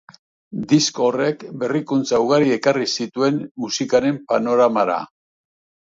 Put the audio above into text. Disko horrek berrikuntza ugari ekarri zituen musikaren panoramara.